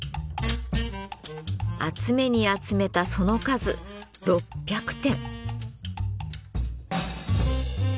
集めに集めたその数６００点。